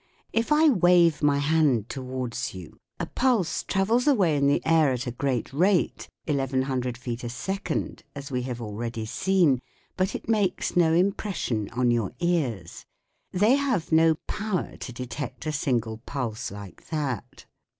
If I wave my hand towards you a pulse travels away in the air at a great rate, eleven hundred feet a second, as we have already seen, but it makes no impression on your ears. They have no power to detect a single pulse like that.